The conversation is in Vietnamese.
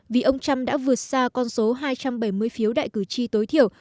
vì ông trump đã vượt xa con số hai trăm bảy mươi phiếu đại cử tri tối thiểu